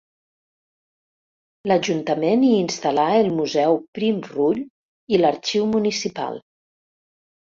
L'ajuntament hi instal·là el Museu Prim-Rull i l'Arxiu Municipal.